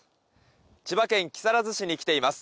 千葉県木更津市に来ています。